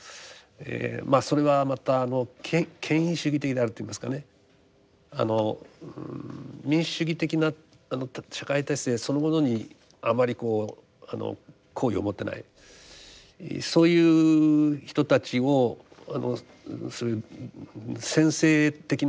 まあそれはまた権威主義的であるといいますかねあの民主主義的な社会体制そのものにあまりこう好意を持ってないそういう人たちをあのそういう専制的な手法を持つ政治家ですね。